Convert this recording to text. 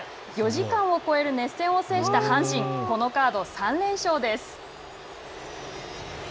４時間を超える熱戦を制した阪神このカード３連勝です。